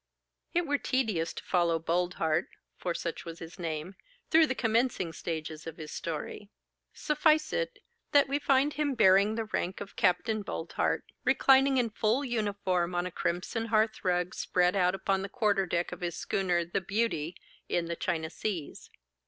It were tedious to follow Boldheart (for such was his name) through the commencing stages of his story. Suffice it, that we find him bearing the rank of Capt. Boldheart, reclining in full uniform on a crimson hearth rug spread out upon the quarter deck of his schooner 'The Beauty,' in the China seas.